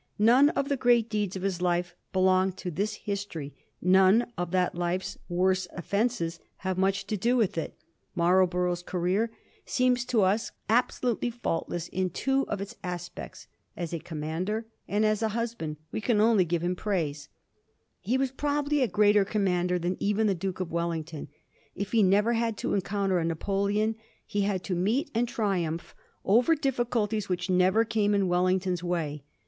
None of the great deeds of his life belong to this history ; none of tljat life's worst offences have much to do with it. Digiti zed by Google 1722 'I HAVE FORGOTTEN HIS FAULTS.' 275 Marlborough's career seems to us absolutely faultless in two of its aspects ; as a commander and as a husband we can only give him praise. He was pro bably a greater commander than even the Duke of Wellington. If he never had to encounter a Napo leon, he had to meet and triumph over difficulties which never came in Wellington's way.